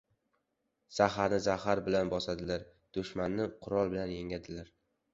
• Zaharni zahar bilan bosadilar, dushmanni qurol bilan yengadilar.